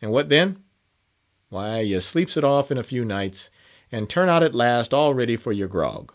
And what then? Why, you sleeps it off in a few nights, and turn out at last all ready for your grog."